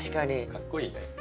かっこいいね。